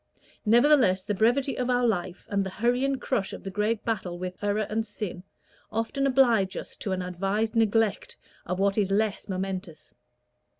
Nevertheless, the brevity of our life, and the hurry and crush of the great battle with error and sin, often oblige us to an advised neglect of what is less momentous.